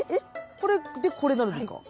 これでこれになるんですか。